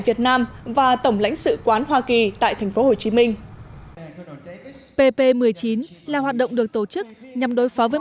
việt nam và tổng lãnh sự quán hoa kỳ tại tp hcm pp một mươi chín là hoạt động được tổ chức nhằm đối phó với